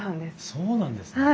そうなんですね。